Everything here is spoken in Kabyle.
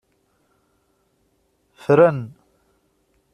Ffren.